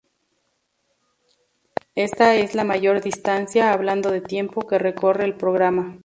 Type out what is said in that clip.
Esta es la mayor distancia, hablando de tiempo, que recorre el programa.